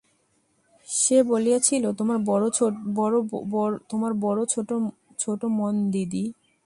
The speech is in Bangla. সে বলিয়াছিল, তোমার বড় ছোট মন দিদি।